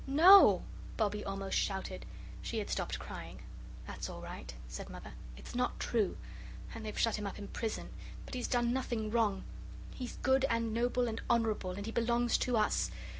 "NO," Bobbie almost shouted. She had stopped crying. "That's all right," said Mother. "It's not true. And they've shut him up in prison, but he's done nothing wrong. He's good and noble and honourable, and he belongs to us.